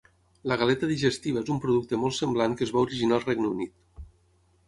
La galeta digestiva és un producte molt semblant que es va originar al Regne Unit.